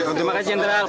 terima kasih jenderal